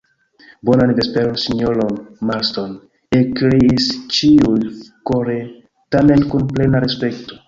Bonan vesperon, sinjoro Marston, ekkriis ĉiuj kore, tamen kun plena respekto.